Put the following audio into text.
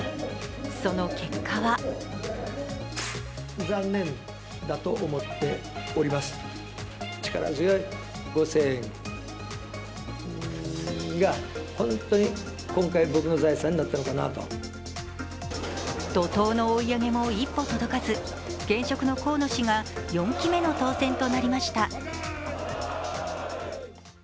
その結果は怒とうの追い上げも一歩届かず、現職の河野氏が４期目の当選となりました。